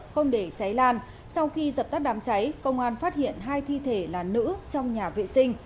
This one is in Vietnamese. không để cháy lan sau khi dập tắt đám cháy công an phát hiện hai thi thể là nữ trong nhà vệ sinh